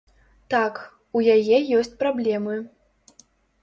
Так, у яе ёсць праблемы.